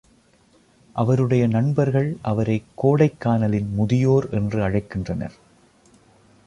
அவருடைய நண்பர்கள் அவரைக் கோடைக்கானலின் முதியோர் என்று அழைக்கின்றனர்.